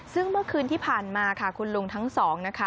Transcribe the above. ซึ่งเมื่อคืนที่ผ่านมาค่ะคุณลุงทั้งสองนะคะ